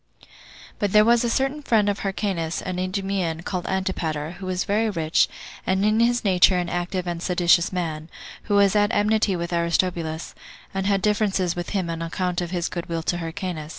3. But there was a certain friend of Hyrcanus, an Idumean, called Antipater, who was very rich, and in his nature an active and a seditious man; who was at enmity with Aristobulus, and had differences with him on account of his good will to Hyrcanus.